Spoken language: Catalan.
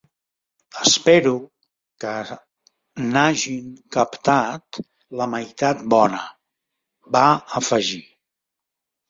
Espero que n'hagin captat la meitat bona —va afegir.